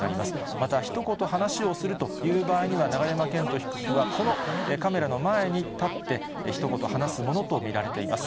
また、ひと言話をするという場合には、永山絢斗被告は、このカメラの前に立って、ひと言話すものと見られています。